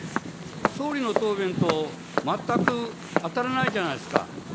総理の答弁と全く当たらないじゃないですか。